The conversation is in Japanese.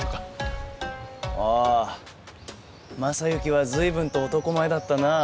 ああ昌幸は随分と男前だったな。